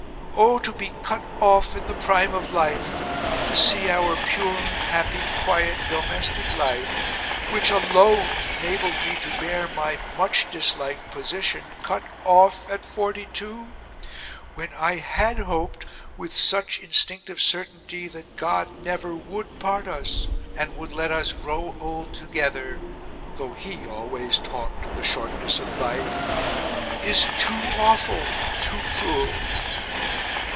Oh! to be cut off in the prime of life to see our pure, happy, quiet, domestic life, which ALONE enabled me to bear my MUCH disliked position, CUT OFF at forty two when I HAD hoped with such instinctive certainty that God never WOULD part us, and would let us grow old together (though HE always talked of the shortness of life) is TOO AWFUL, too cruel!"